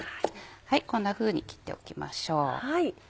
こんなふうに切っておきましょう。